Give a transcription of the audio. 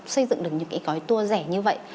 xây dựng được những cái gói tour rẻ như vậy